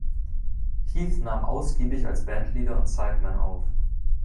Heath nahm ausgiebig als Bandleader und Sideman auf.